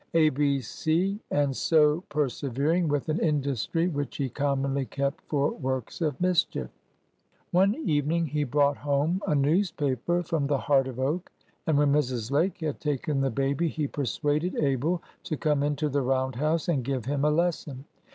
A B C"—and so persevering with an industry which he commonly kept for works of mischief. One evening he brought home a newspaper from the Heart of Oak, and when Mrs. Lake had taken the baby, he persuaded Abel to come into the round house and give him a lesson.